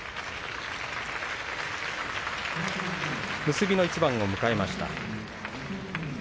結びの一番を迎えました。